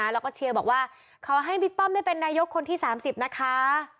แล้วก็เชียร์บอกว่าขอให้บิ๊กป้อมได้เป็นนายกคนที่๓๐นะคะ